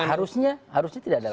harusnya harusnya tidak ada